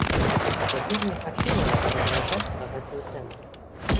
Цяпер не хачу нават разважаць на гэтую тэму.